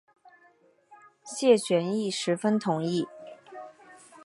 谢玄亦十分同意。